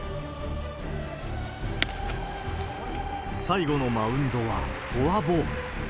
最後のマウンドはフォアボール。